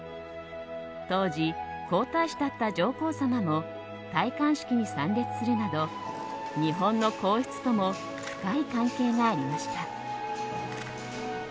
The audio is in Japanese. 当時、皇太子だった上皇さまも戴冠式に参列するなど日本の皇室とも深い関係がありました。